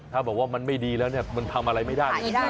ถ้าบอกว่ามันไม่ดีแล้วเนี่ยมันทำอะไรไม่ได้